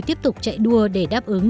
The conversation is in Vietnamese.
tiếp tục chạy đua để đáp ứng